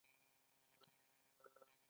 ژبه به خپله لاره پیدا کوي.